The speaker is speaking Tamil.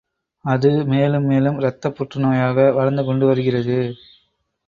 அது மேலும் மேலும் இரத்தப்புற்று நோயாக வளர்ந்து கொண்டு வருகிறது.